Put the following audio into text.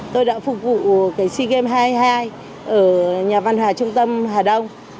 tôi đã phục vụ si game hai mươi hai ở nhà văn hóa trung tâm hà đông